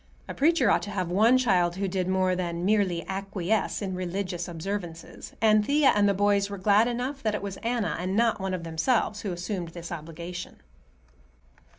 A preacher ought to have one child who did more than merely acquiesce in religious observances, and Thea and the boys were glad enough that it was Anna and not one of themselves who assumed this obligation.